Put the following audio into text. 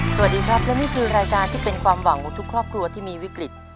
สวัสดีครับและนี่คือรายการที่เป็นความหวังของทุกครอบครัวที่มีวิกฤต